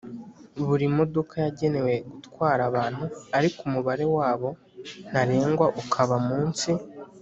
Buri modoka yagenewe gutwara abantu ariko umubare wabo ntarengwa ukaba munsi